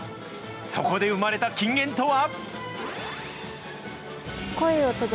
そこで生まれた金言とは。